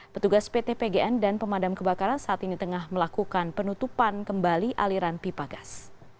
petugas pt pgn dan pemadam kebakaran saat ini tengah melakukan penutupan kembali aliran pipa gas